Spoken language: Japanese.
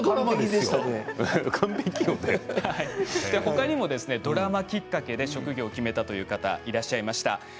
ほかにもドラマをきっかけで職業を決めた方がいらっしゃいます。